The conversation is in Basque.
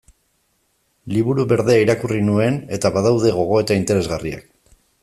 Liburu Berdea irakurri nuen, eta badaude gogoeta interesgarriak.